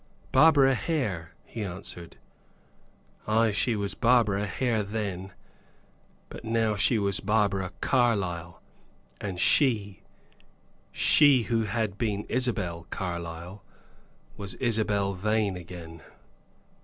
"Barbara Hare," he answered. Ay. She was Barbara Hare then, but now she was Barbara Carlyle; and she, she, who had been Isabel Carlyle, was Isabel Vane again!